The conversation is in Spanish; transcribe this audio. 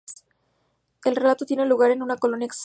El relato tiene lugar en una colonia extrasolar.